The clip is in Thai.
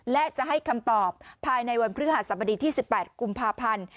และจะให้คำตอบภายในวันพฤหัสบดีที่๑๘กุมภาพันธ์